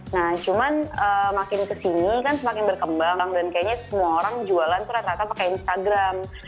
nah cuman makin kesini kan semakin berkembang dan kayaknya semua orang jualan tuh rata rata pakai instagram